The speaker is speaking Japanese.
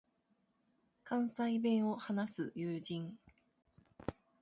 関西弁を話す友人